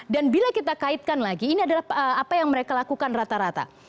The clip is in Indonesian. dan bila kita kaitkan lagi ini adalah apa yang mereka lakukan rata rata